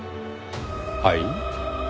はい？